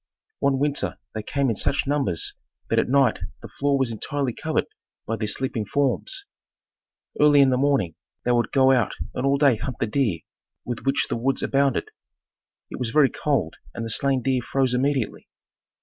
One winter they came in such numbers that at night the floor was entirely covered by their sleeping forms. Early in the morning, they would go out and all day hunt the deer, with which the woods abounded. It was very cold and the slain deer froze immediately.